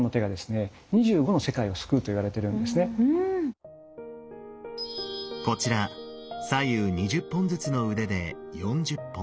それはですねこちら左右２０本ずつの腕で４０本。